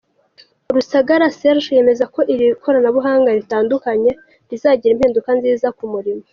Rusagara Serge yemeza ko iri koranabuhanga ritandukanye rizagira impinduka nziza ku murimo.